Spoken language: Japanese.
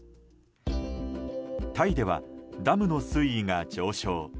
タイではダムの水位が上昇。